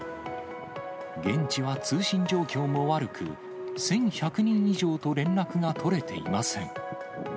現地は通信状況も悪く、１１００人以上と連絡が取れていません。